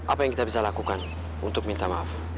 apa yang kita bisa lakukan untuk minta maaf